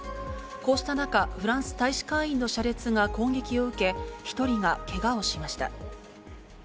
こうした中、フランス大使館員の車列が攻撃を受け、１人がけがをしました。